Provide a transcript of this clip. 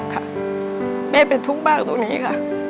ค่ะแม่เป็นทุกข์มากตรงนี้ค่ะ